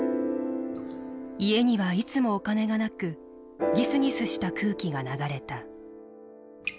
家にはいつもお金がなくギスギスした空気が流れた。